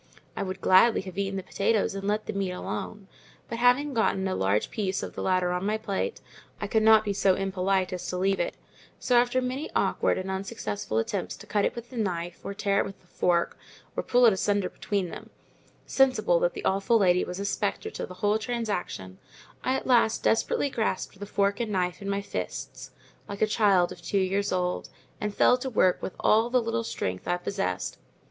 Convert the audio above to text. I would gladly have eaten the potatoes and let the meat alone, but having got a large piece of the latter on to my plate, I could not be so impolite as to leave it; so, after many awkward and unsuccessful attempts to cut it with the knife, or tear it with the fork, or pull it asunder between them, sensible that the awful lady was a spectator to the whole transaction, I at last desperately grasped the knife and fork in my fists, like a child of two years old, and fell to work with all the little strength I possessed.